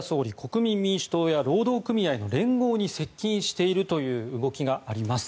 岸田総理国民民主党や労働組合の連合に接近しているという動きがあります。